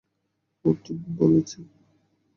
ও ঠিক বলছে।